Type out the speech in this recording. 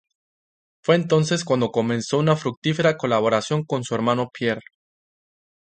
Fue entonces cuando comenzó una fructífera colaboración con su hermano Pierre.